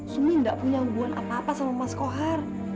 sumi tidak punya hubungan apa apa sama mas kohar